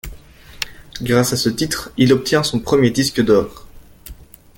Grâce à ce titre, il obtient son premier disque d'or.